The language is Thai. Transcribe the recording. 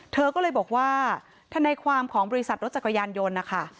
เธอก็เลยบอกว่าทนายความของบริษัทรถจักรยานยนต์นะคะ